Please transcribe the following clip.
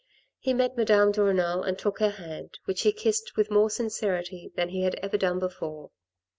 He met Madame de Renal and took her hand, which he kissed with more sincerity than he had ever done before.